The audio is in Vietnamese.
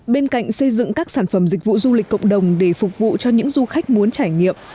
bên cạnh xây dựng các sản phẩm dịch vụ du lịch cộng đồng để phục vụ cho những du khách muốn trải nghiệm